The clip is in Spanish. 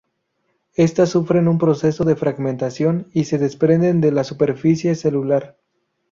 Estas sufren un proceso de fragmentación y se desprenden de la superficie celular.